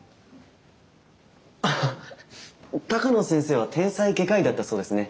ハハッ鷹野先生は天才外科医だったそうですね。